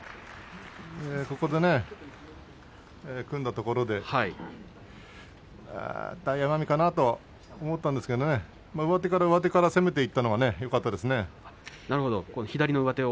組んだところで大奄美かなと思ったんですけれど上手から攻めていったのがよかったですね。